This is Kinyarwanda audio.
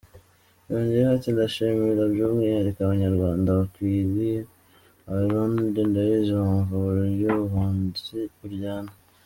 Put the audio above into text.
Yongeyeho ati “Ndashimira by’umwihariko Abanyarwanda bakiriye Abarundi, ndabizi bumva uburyo ubuhunzi buryana.